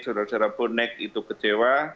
saudara saudara bonek itu kecewa